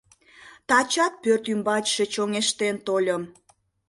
— Тачат пӧрт ӱмбачше чоҥештен тольым.